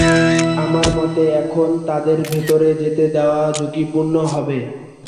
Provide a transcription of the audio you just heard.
আমার মতে এখন তাদের ভেতরে যেতে দেয়া ঝুঁকিপূর্ণ হবে।